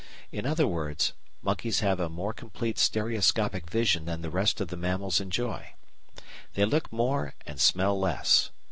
In other words, monkeys have a more complete stereoscopic vision than the rest of the mammals enjoy. They look more and smell less.